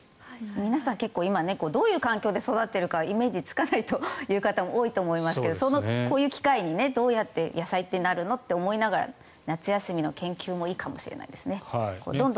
皆さん、結構今どういう環境で育っているかイメージつかない方多いかと思いますがこういう機会にどうやって野菜ってなるのって思いながら夏休みの研究もいいかもしれないですね。